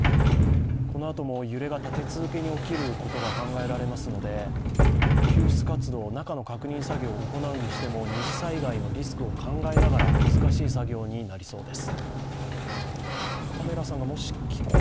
このあとも揺れが立て続けに起きることが考えられますので救出活動、中の確認作業を行うにしても二次災害のリスクを考えながら難しい作業になりそうです。